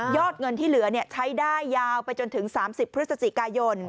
เงินที่เหลือใช้ได้ยาวไปจนถึง๓๐พฤศจิกายน